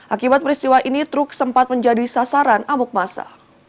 akibat peristiwa ini truk sempat menjadi sasaran amuk masa